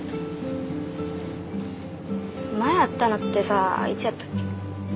前会ったのってさいつやったっけ？